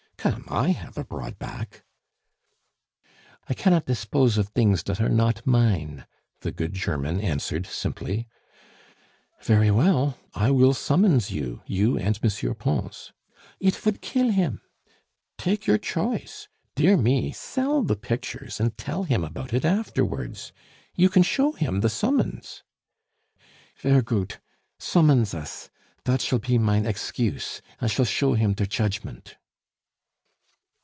Come! I have a broad back " "I cannot tispose of dings dot are not mine," the good German answered simply. "Very well. I will summons you, you and M. Pons." "It vould kill him " "Take your choice! Dear me, sell the pictures and tell him about it afterwards... you can show him the summons " "Ver' goot. Summons us. Dot shall pe mine egscuse. I shall show him der chudgment."